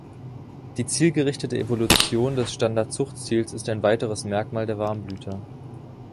Die zielgerichtete Evolution des Standardzuchtziels ist ein weiteres Merkmal der Warmblüter.